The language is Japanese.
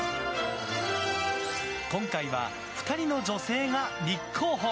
今回は２人の女性が立候補。